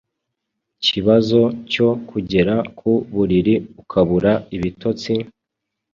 kibazo cyo kugera ku buriri ukabura ibitotsi,